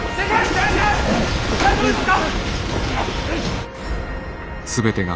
大丈夫ですか！